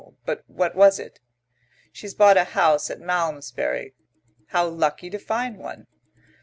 But what was it?" "She's bought a house at Malmesbury." "How lucky to find one!"